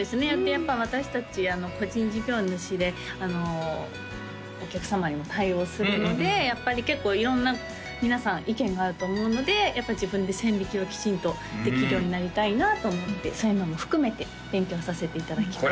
やっぱ私達個人事業主でお客様にも対応するのでやっぱり結構色んな皆さん意見があると思うので自分で線引きをきちんとできるようになりたいなと思ってそういうのも含めて勉強させていただきました